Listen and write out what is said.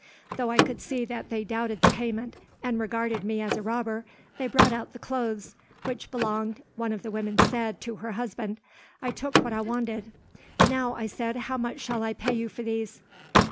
Though I could see that they doubted the payment, and regarded me as a robber, they brought out the clothes, which belonged, one of the women said, to her husband. I took what I wanted. "'Now,' I said, 'how much shall I pay you for these?'